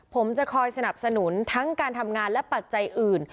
ผมจะคอยสนับสนุนทั้งการทำงานและปัจจัยอื่น